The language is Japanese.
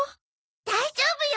大丈夫よ。